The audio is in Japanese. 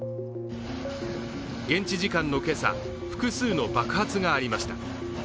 現地時間のけさ、複数の爆発がありました。